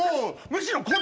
むしろ。